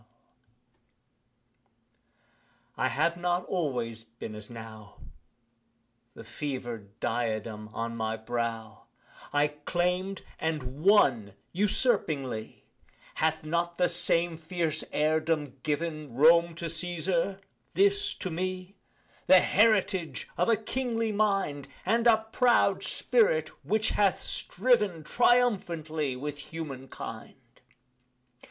[Illustration: Tamerlane] I have not always been as now: The fever'd diadem on my brow I claim'd and won usurpingly Hath not the same fierce heirdom given Rome to the Cæsar this to me? The heritage of a kingly mind, And a proud spirit which hath striven Triumphantly with human kind.